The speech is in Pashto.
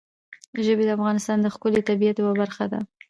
ژبې د افغانستان د ښکلي طبیعت یوه برخه ده.